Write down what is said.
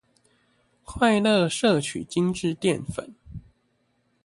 快樂攝取精緻澱粉